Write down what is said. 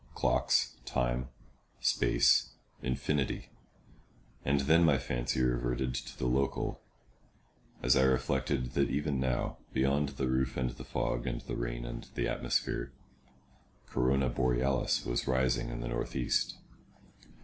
Clocks—time—space—infinity—and then my fancy reverted to the local as I reflected that even now, beyond the roof and the fog and the rain and the atmosphere, Corona Borealis was rising in the northeast.